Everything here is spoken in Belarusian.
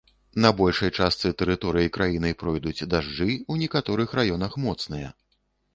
На большай частцы тэрыторыі краіны пройдуць дажджы, у некаторых раёнах моцныя.